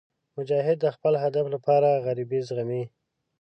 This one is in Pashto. مجاهد د خپل هدف لپاره غریبۍ زغمي.